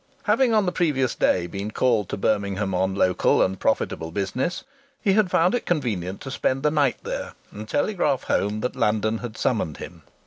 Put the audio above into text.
Having on the previous day been called to Birmingham on local and profitable business, he had found it convenient to spend the night there and telegraph home that London had summoned him.